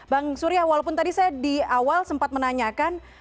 bang surya walaupun tadi saya di awal sempat menanyakan